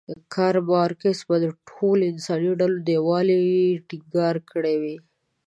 کارل مارکس به د ټولو انساني ډلو د یووالي ټینګار کړی وی.